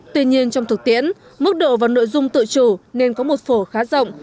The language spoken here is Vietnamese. tuy nhiên trong thực tiễn mức độ và nội dung tự chủ nên có một phổ khá rộng